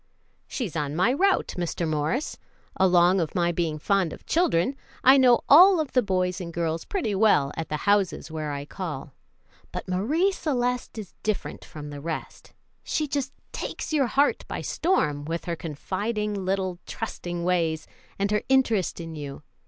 "She's on my route, Mr. Morris. Along of my being fond of children, I know all of the boys and girls pretty well at the houses where I call; but Marie Celeste is different from the rest. She just takes your heart by storm, with her confiding, little trusting ways and her interest in you.